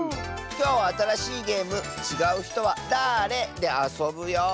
きょうはあたらしいゲーム「ちがうひとはだれ？」であそぶよ。